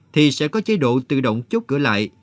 thì sẽ có chế độ tự động chốt cửa lại